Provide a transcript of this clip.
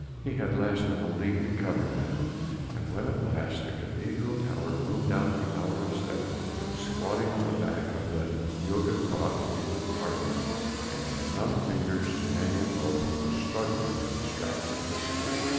He had less than a league to cover now, and when at last the cathedral tower boomed out the hour of seven he was squatting on the bank of the Oude Gracht in Haarlem, and with numbed fingers and many an oath was struggling with the straps of his skates.